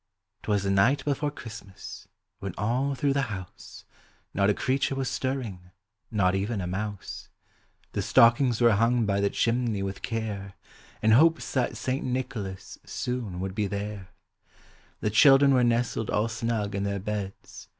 'T was the night before Christmas, when all through the house Not a creature was stirring, not even a mouse; The stoekiugs were hung by the chimney with care, In hopes that St. Nicholas soon would be there; The children were nestled all snug in their beds.